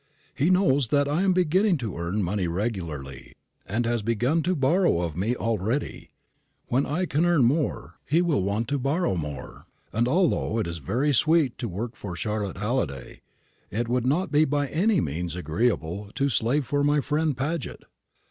He knows that I am beginning to earn money regularly, and has begun to borrow of me already. When I can earn more, he will want to borrow more; and although it is very sweet to work for Charlotte Halliday, it would not be by any means agreeable to slave for my friend Paget.